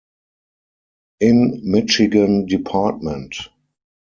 In Michigan Dept.